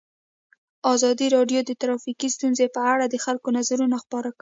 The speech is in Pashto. ازادي راډیو د ټرافیکي ستونزې په اړه د خلکو نظرونه خپاره کړي.